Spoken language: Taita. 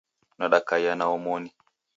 Nadakaiya na omoni